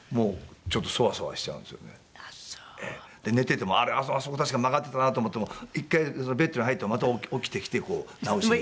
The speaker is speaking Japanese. で寝ててもあれあそこ確か曲がってたなと思っても一回ベッドに入ってもまた起きてきてこう直しに。